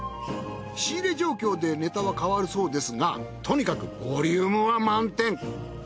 仕入れ状況でネタは変わるそうですがとにかくボリュームは満点！